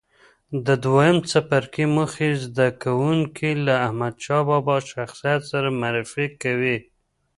د دویم څپرکي موخې زده کوونکي له احمدشاه بابا شخصیت سره معرفي کوي.